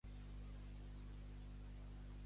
Se sap poc sobre la família Pointz de Devon.